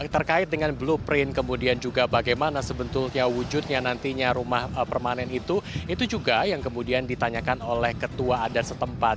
terkait dengan blueprint kemudian juga bagaimana sebetulnya wujudnya nantinya rumah permanen itu itu juga yang kemudian ditanyakan oleh ketua adat setempat